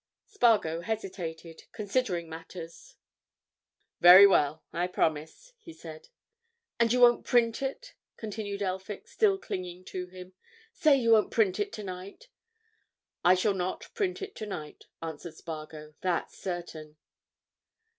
Spargo hesitated, considering matters. "Very well—I promise," he said. "And you won't print it?" continued Elphick, still clinging to him. "Say you won't print it tonight?" "I shall not print it tonight," answered Spargo. "That's certain."